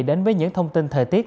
đến với những thông tin thời tiết